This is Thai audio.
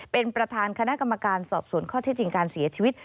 เป็นประธานคณะกรรมการสอบสวนข้อเท็จจริงการเสียชีวิต